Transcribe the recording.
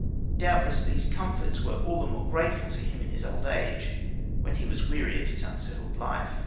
Doubtless these comforts were all the more grateful to him in his old age, when he was weary of his unsettled life.